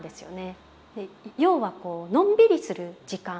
要はのんびりする時間。